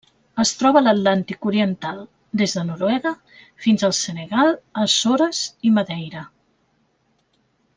Es troba a l'Atlàntic oriental: des de Noruega fins al Senegal, Açores i Madeira.